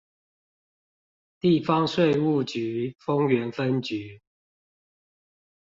地方稅務局豐原分局